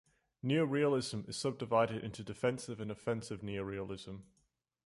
Neorealism is subdivided into defensive and offensive neorealism.